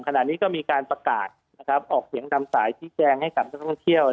ขณะนี้ก็มีการประกาศออกเสียงนำสายชี้แจงให้กับนักท่องเที่ยว